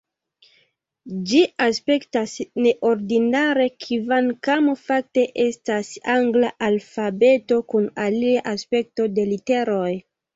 Ĝi aspektas neordinare, kvankam fakte estas angla alfabeto kun alia aspekto de literoj.